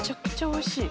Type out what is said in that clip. おいしい！